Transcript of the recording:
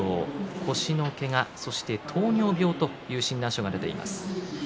腰のけが、そして糖尿病という診断書が出ています。